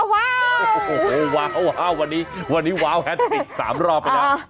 ว้าววันนี้ว้าวแฮทปิก๓รอบไปนะ